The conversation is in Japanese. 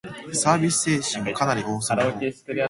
サービス精神はかなり旺盛なほう